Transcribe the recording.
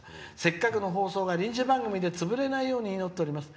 せっかくの放送が臨時番組で潰れないように祈っております」。